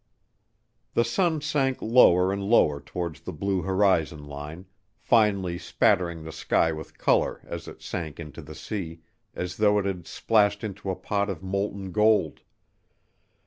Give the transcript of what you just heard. The sun sank lower and lower towards the blue horizon line, finally spattering the sky with color as it sank into the sea as though it had splashed into a pot of molten gold.